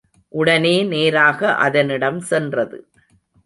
உடனே நேராக அதனிடம் சென்றது.